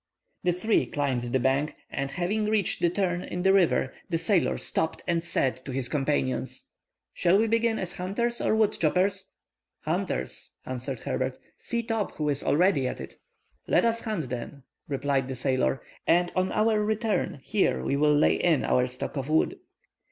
The three climbed the bank, and having reached the turn in the river, the sailor stopped and said to his companions:— "Shall we begin as hunters or wood choppers?" "Hunters," answered Herbert. "See Top, who is already at it." "Let us hunt, then," replied the sailor, "and on our return here we will lay in our stock of wood."